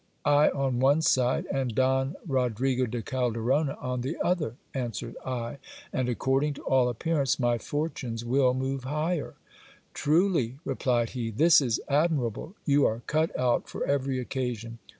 I on one side, and Don Rodrigo de Calderona on the other, answered I ; and according to all appearance, my fortunes will move higher. Truly, replied he, this is admirable. You are cut out for every occasion.